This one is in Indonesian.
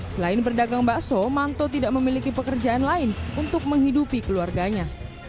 selain berdagang bakso manto tidak memiliki pekerjaan lain untuk menghidupi keluarganya